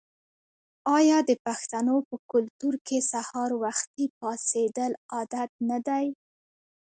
آیا د پښتنو په کلتور کې سهار وختي پاڅیدل عادت نه دی؟